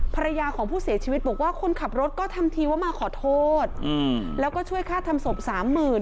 ภรรยาของผู้เสียชีวิตบอกว่าคนขับรถก็ทำทีว่ามาขอโทษแล้วก็ช่วยค่าทำศพสามหมื่น